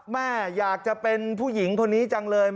แม่อยากจะเป็นผู้หญิงคนนี้จังเลย